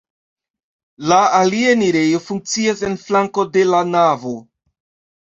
La alia enirejo funkcias en flanko de la navo.